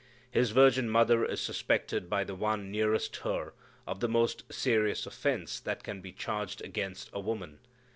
His virgin mother is suspected by the one nearest her of the most serious offense that can be charged against a woman.